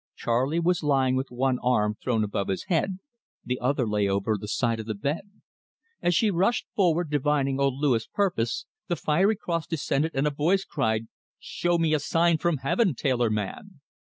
Charley was lying with one arm thrown above his head; the other lay over the side of the bed. As she rushed forward, divining old Louis' purpose, the fiery cross descended, and a voice cried: "'Show me a sign from Heaven, tailor man!